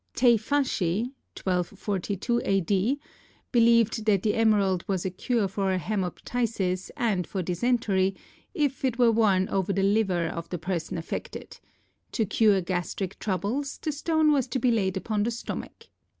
Teifashi (1242 A.D.) believed that the emerald was a cure for hæmoptysis and for dysentery if it were worn over the liver of the person affected; to cure gastric troubles, the stone was to be laid upon the stomach.